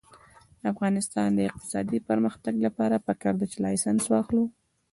د افغانستان د اقتصادي پرمختګ لپاره پکار ده چې لایسنس واخلو.